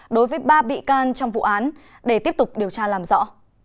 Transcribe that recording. đối với ba bị can trong vụ án để tiếp tục điều tra làm rõ